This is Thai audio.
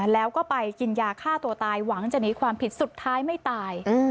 แล้วก็ไปกินยาฆ่าตัวตายหวังจะหนีความผิดสุดท้ายไม่ตาย